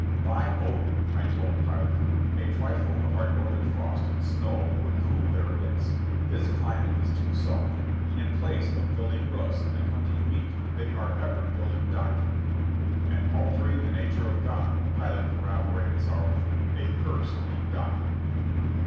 "By Odin," I told Pilate, "a trifle of our northern frost and snow would cool their wits. This climate is too soft. In place of building roofs and hunting meat, they are ever building doctrine." "And altering the nature of God," Pilate corroborated sourly. "A curse on doctrine."